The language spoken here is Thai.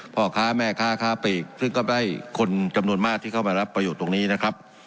พ่อค้าแม่ค้าค้าปลีกซึ่งก็ได้คนจำนวนมากที่เข้ามารับประโยชน์ตรงนี้นะครับ